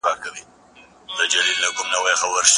هغه د قوم او حکومت ترمنځ د اړیکې وسیله و.